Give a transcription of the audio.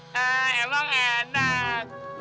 kamu tidak enak